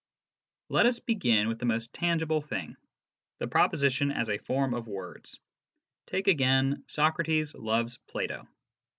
Let us begin with the most tangible thing : the proposition as a form of words. Take again " Socrates loves Plato."